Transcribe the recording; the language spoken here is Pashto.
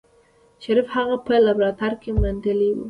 شريف هغه په لابراتوار کې منډلې وه.